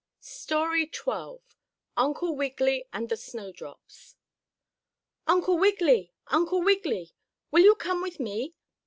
STORY XII UNCLE WIGGILY AND THE SNOW DROPS "Uncle Wiggily! Uncle Wiggily! Will you come with me?"